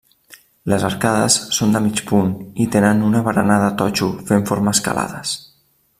Les arcades són de mig punt i tenen una barana de totxo fent formes calades.